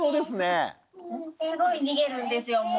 すごい逃げるんですよ